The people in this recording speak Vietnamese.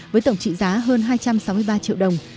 với tổng trị giá hơn hai trăm sáu mươi ba triệu đồng